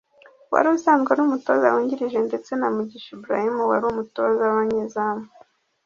wari usanzwe ari umutoza wungirije ndetse na Mugisha Ibrahim wari umutoza w’abanyezamu